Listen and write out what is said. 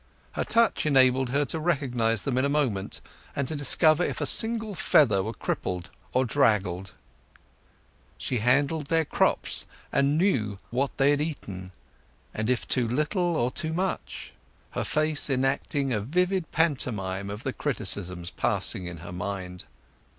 Her touch enabled her to recognize them in a moment, and to discover if a single feather were crippled or draggled. She handled their crops, and knew what they had eaten, and if too little or too much; her face enacting a vivid pantomime of the criticisms passing in her mind.